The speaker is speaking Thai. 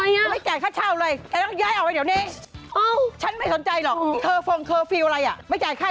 อยู่ที่นี่ล่ะจ๊ะไปลูกเอาล่ะ